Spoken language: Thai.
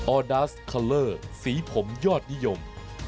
อดาสคัลเลอร์สีผมยอดนิยม